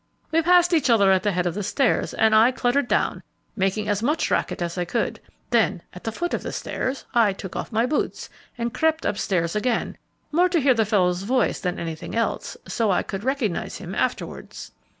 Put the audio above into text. We passed each other at the head of the stairs, and I cluttered down, making as much racket as I could; then at the foot of the stairs I took off my boots and crept upstairs again, more to hear the fellow's voice than anything else, so I could recognize him afterwards."